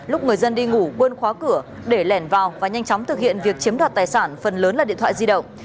lúc người dân đi ngủ quên khóa cửa để lẻn vào và nhanh chóng thực hiện việc chiếm đoạt tài sản phần lớn là điện thoại di động